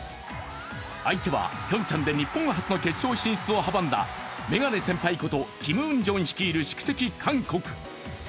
相手はピョンチャンで日本初の決勝進出を阻んだ眼鏡先輩ことキム・ウンジョン率いる宿敵・韓国。